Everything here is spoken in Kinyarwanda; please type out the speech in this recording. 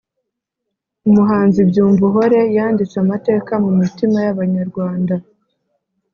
umuhanzi byumvuhore yanditse amateka mu mitima y’abanyarwanda